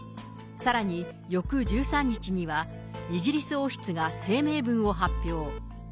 さらに翌１３日には、イギリス王室が声明文を発表。